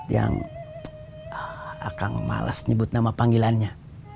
yang akan malas nyebut nama panggilannya